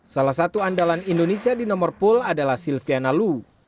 salah satu andalan indonesia di nomor pool adalah silviana lu